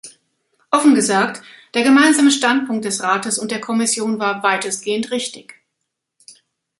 Offen gesagt, der gemeinsame Standpunkt des Rates und der Kommission war weitestgehend richtig.